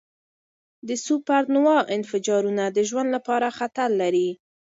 د سوپرنووا انفجارونه د ژوند لپاره خطر لري.